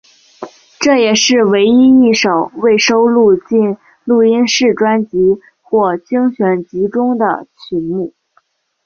这也是唯一一首未收录进录音室专辑或精选集中的曲目。